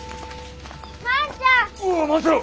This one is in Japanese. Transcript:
万ちゃん！